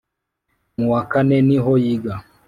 Mu wa kane niho yiga